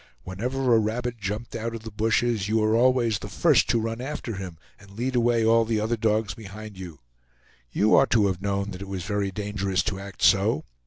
Whenever a rabbit jumped out of the bushes, you were always the first to run after him and lead away all the other dogs behind you. You ought to have known that it was very dangerous to act so.